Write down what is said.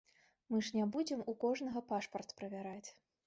Мы ж не будзем у кожнага пашпарт правяраць.